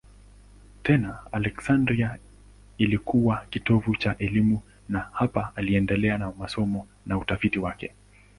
Tena Aleksandria ilikuwa kitovu cha elimu na hapa aliendelea na masomo na utafiti wake.